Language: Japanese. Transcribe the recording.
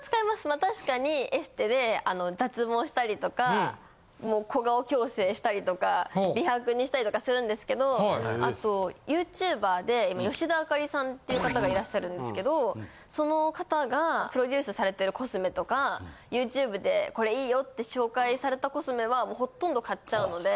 まあ確かにエステで脱毛したりとかもう小顔矯正したりとか美白にしたりとかするんですけどあとＹｏｕＴｕｂｅｒで今吉田朱里さんて方がいらっしゃるんですけどその方がプロデュースされてるコスメとかＹｏｕＴｕｂｅでこれいいよって紹介されたコスメはほとんど買っちゃうので。